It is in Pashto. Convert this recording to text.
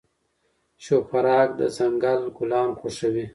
شوپرک د ځنګل ګلان خوښوي.